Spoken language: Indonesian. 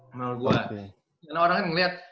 menurut gue karena orang kan ngeliat